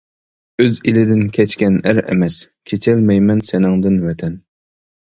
ئۆز ئىلىدىن كەچكەن ئەر ئەمەس، كېچەلمەيمەن سېنىڭدىن ۋەتەن.